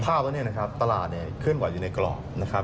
ภาพว่าตลาดเคลื่อนบ่อยอยู่ในกรอบ